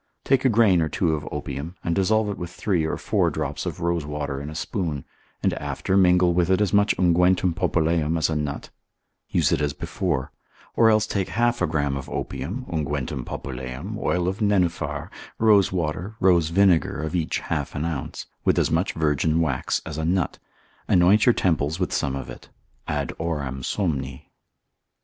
Take a grain or two of opium, and dissolve it with three or four drops of rosewater in a spoon, and after mingle with it as much Unguentum populeum as a nut, use it as before: or else take half a dram of opium, Unguentum populeum, oil of nenuphar, rosewater, rose vinegar, of each half an ounce, with as much virgin wax as a nut, anoint your temples with some of it, ad horam somni.